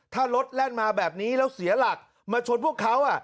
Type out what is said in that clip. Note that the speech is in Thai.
ถ้ารถแล่นมาแบบนี้แล้วเสียหลักมาชนพวกเขา